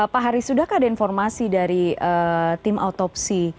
pak haris sudahkah ada informasi dari tim autopsi